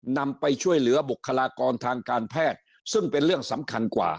นำไปช่วยเหลือบุคลากรทางการแพทย์ซึ่งเป็นเรื่องสำคัญกว่า